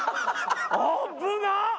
危なっ。